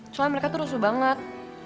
soalnya mereka tuh rusuh banget